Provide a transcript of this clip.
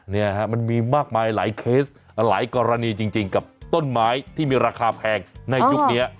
เนี่ยฮะมันมีมากมายหลายเคสหลายกรณีจริงกับต้นไม้ที่มีราคาแพงในยุคนี้